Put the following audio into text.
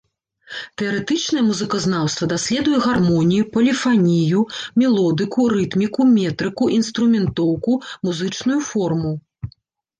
Тэарэтычнае музыказнаўства даследуе гармонію, поліфанію, мелодыку, рытміку, метрыку, інструментоўку, музычную форму.